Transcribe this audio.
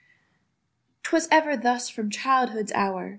'TWAS ever thus from childhood's hour!